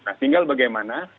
nah tinggal bagaimana